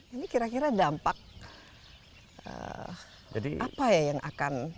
ini kira kira dampak apa ya yang akan